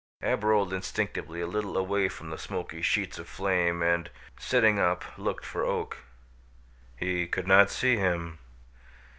Ab rolled instinctively a little away from the smoky sheets of flame and, sitting up, looked for Oak. He could not see him.